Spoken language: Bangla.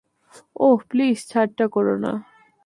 ওহ, প্লিজ ঠাট্টা করো না।